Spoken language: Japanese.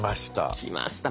きました。